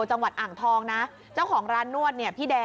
จังหวัดอ่างทองนะเจ้าของร้านนวด